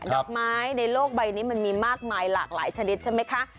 ดอกไม้ในโลกใบนี้มันมีมากมายหลากหลายชนิดใช่ไหมคะ